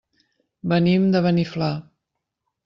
Venim de Beniflà.